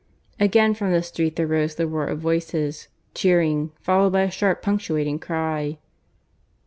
Again from the street there rose the roar of voices, cheering, followed by a sharp punctuating cry.